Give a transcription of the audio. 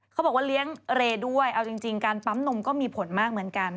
เขาบอกว่าเลี้ยงเรย์ด้วยเอาจริงการปั๊มนมก็มีผลมากเหมือนกัน